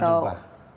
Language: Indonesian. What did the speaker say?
belum ada yang diubah